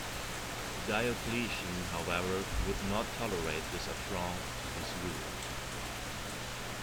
Diocletian, however, would not tolerate this affront to his rule.